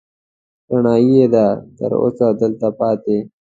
رڼايي يې ده، تر اوسه دلته پاتې